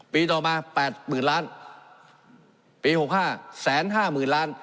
ปีต่อมาแปดหมื่นล้านปีหกห้าแสนห้าหมื่นล้าน